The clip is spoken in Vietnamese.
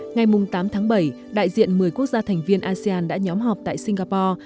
ngày tám tháng bảy đại diện một mươi quốc gia thành viên asean đã nhóm họp tại singapore